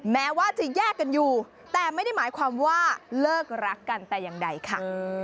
แม้ว่าจะแยกกันอยู่แต่ไม่ได้หมายความว่าเลิกรักกันแต่อย่างใดค่ะ